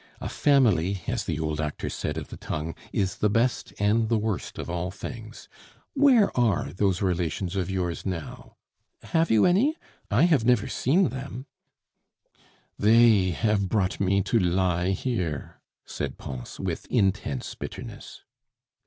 A family, as the old actor said of the tongue, is the best and the worst of all things.... Where are those relations of yours now? Have you any? I have never seen them " "They have brought me to lie here," said Pons, with intense bitterness.